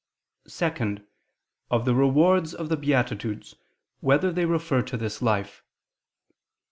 (2) Of the rewards of the beatitudes: whether they refer to this life?